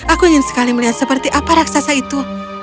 aku ingin sekali melihat seperti apa raksasa itu